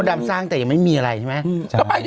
แต่ยังไม่มีอะไรใช่ไหม